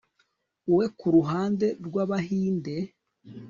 wowe kuruhande rwabahinde